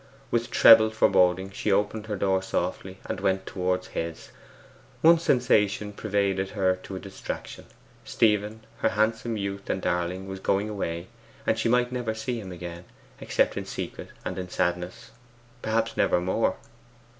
With trebled foreboding she opened her door softly, and went towards his. One sensation pervaded her to distraction. Stephen, her handsome youth and darling, was going away, and she might never see him again except in secret and in sadness perhaps never more.